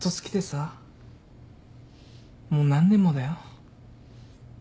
もう何年もだよ。